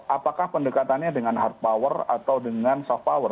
apakah pendekatannya dengan hard power atau dengan soft power